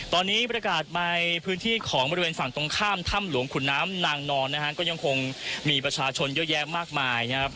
ตอนนี้ประกาศในพื้นที่ของบริเวณฝั่งตรงข้ามถ้ำหลวงขุนน้ำนางนอนนะฮะก็ยังคงมีประชาชนเยอะแยะมากมายนะครับ